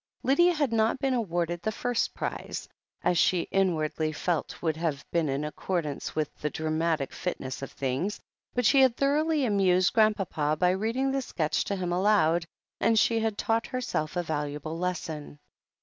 Lydia had not been awarded the first prize, as she in wardly felt would have been in accordance with the dra matic fitness of things, but she had thoroughly amused Grandpapa by reading the sketch to him aloud, and she had taught herself a valuable lesson.